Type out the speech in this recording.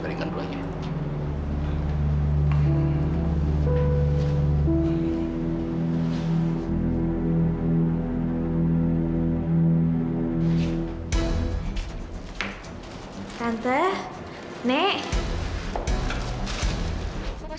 pergunya ini pratije molta preguntas